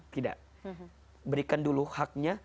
tidak berikan dulu haknya